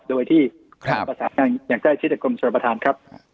โดยที่ประสานงานอย่างใกล้ชิดกับกรมชนประธานครับ